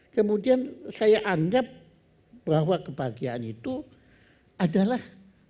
kemudian saya anggap bahwa kebahagiaan itu adalah